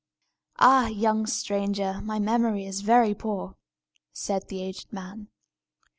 "Ah, young stranger, my memory is very poor!" said the aged man.